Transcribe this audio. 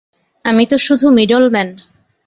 আমি তো শুধু মিডলম্যান।